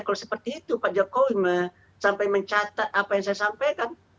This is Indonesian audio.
kalau seperti itu pak jokowi sampai mencatat apa yang saya sampaikan